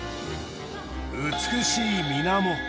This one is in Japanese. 美しい水面。